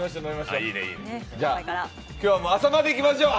今日は朝までいきましょう！